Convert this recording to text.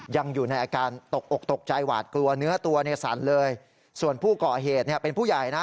ยังอยู่ในอาการตกอกตกใจหวาดกลัวเนื้อตัวเนี่ยสั่นเลยส่วนผู้ก่อเหตุเนี่ยเป็นผู้ใหญ่นะ